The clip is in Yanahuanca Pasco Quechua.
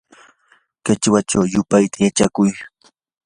qichwachaw yupayta yachakuy.